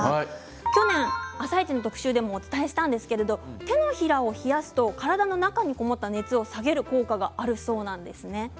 去年、「あさイチ」の特集でもお伝えしたんですが手のひらを冷やすと体の中にこもった熱を下げる効果があるそうなんです。